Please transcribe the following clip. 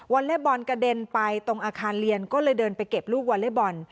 เล็ตบอลกระเด็นไปตรงอาคารเรียนก็เลยเดินไปเก็บลูกวอเล็กบอล